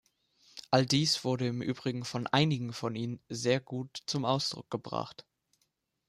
All dies wurde im Übrigen von einigen von Ihnen sehr gut zum Ausdruck gebracht.